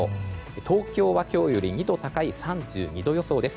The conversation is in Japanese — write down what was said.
東京は今日より２度高い３２度予想です。